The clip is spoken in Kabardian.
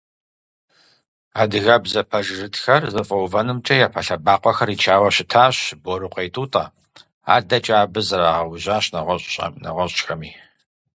Адыгэбзэ пэжырытхэр зэфӏэувэнымкӏэ япэ лъэбакъуэхэр ичауэ щытащ Борыкъуей Тӏутӏэ, адэкӏэ абы зрагъэужьащ нэгъуэщӀхэми.